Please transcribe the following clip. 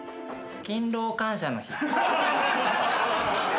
勤労感謝の日。